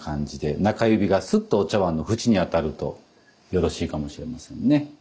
中指がすっとお茶碗の縁に当たるとよろしいかもしれませんね。